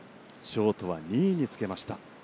ショートは２位につけました。